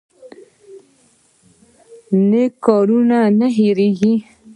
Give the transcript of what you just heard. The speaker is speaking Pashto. نیک کارونه هیر نه کیږي